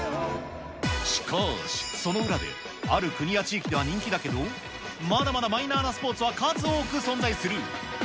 しかし、その裏で、ある国や地域では人気だけど、まだまだマイナーなスポーツは数多く存在する。